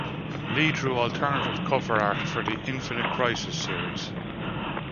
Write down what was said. Lee drew alternative cover art for the "Infinite Crisis" series.